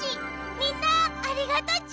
みんなありがとち！